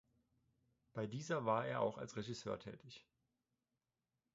Bei dieser war er auch als Regisseur tätig.